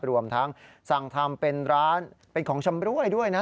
รวมทั้งสั่งทำเป็นร้านเป็นของชำรวยด้วยนะ